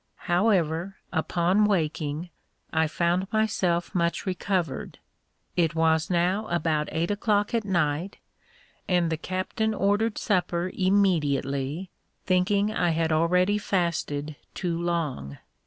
However, upon waking, I found myself much recovered. It was now about eight o'clock at night, and the captain ordered supper immediately, thinking I had already fasted too long.